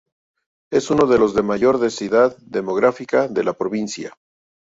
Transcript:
Es uno de los de mayor densidad demográfica de la provincia.